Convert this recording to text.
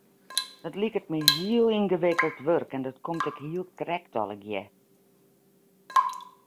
Dat liket my heel yngewikkeld wurk en dat komt ek hiel krekt allegear.